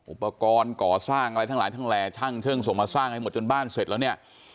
อุปกรณ์ก่อสร้างอะไรทั้งหลายทั้งแหล่ช่างส่งมาสร้างให้หมดจนบ้านเสร็จแล้วเนี่ย